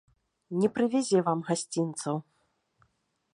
Не прывязе вам гасцінцаў.